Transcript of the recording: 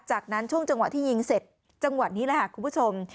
จากนั้นช่วงจังหวะที่ยิงเสร็จจังหวะนี้แหละค่ะคุณผู้ชม